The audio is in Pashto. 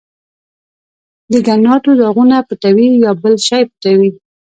د ګناټو داغونه پټوې، یا بل شی پټوې؟